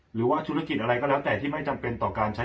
หรือว่าธุรกิจอะไรก็แล้วแต่ที่ไม่จำเป็นต่อการใช้